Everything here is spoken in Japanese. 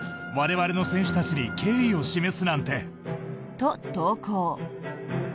と、投稿。